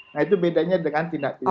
nah itu bedanya dengan tindak pidana